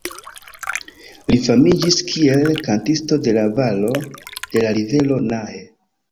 Li famiĝis kiel „kantisto de la valo de la rivero Nahe“.